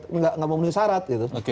nggak memenuhi syarat